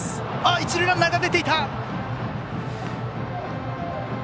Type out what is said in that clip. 一塁ランナーが出ていた！